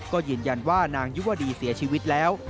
ก็ยืนยันว่านางยุวดีเสียชีวิตแล้ว